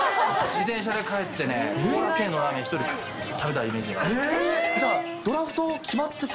自転車で帰ってね、ラーメン１人で食べたイメージがある。